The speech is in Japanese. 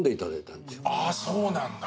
ああそうなんだ。